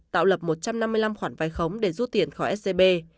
tạo lập một trăm năm mươi năm khoản vai khống để rút tiền khỏi scb